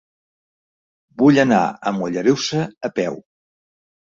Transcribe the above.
Vull anar a Mollerussa a peu.